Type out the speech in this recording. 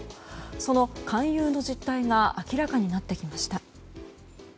その勧誘の実態が明らかになってきました。